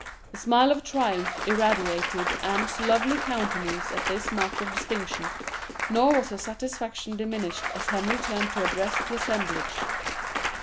A smile of triumph irradiated Anne's lovely countenance at this mark of distinction, nor was her satisfaction diminished as Henry turned to address the assemblage.